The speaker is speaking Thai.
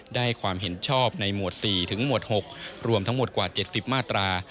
ได้ความเห็นชอบในหมวด๔ถึงหมวด๖รวมทั้งหมดกว่า๗๐มาตรา